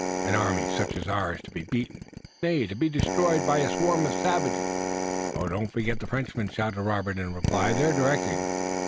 "An army such as ours, to be beaten, nay, to be destroyed, by a swarm of savages!" "But don't forget the Frenchmen!" shouted Robert in reply. "They're directing!"